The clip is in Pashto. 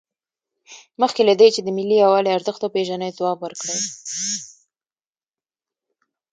مخکې له دې چې د ملي یووالي ارزښت وپیژنئ ځواب ورکړئ.